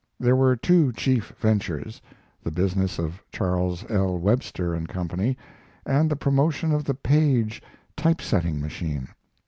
There were two chief ventures the business of Charles L. Webster & Co. and the promotion of the Paige type setting machine.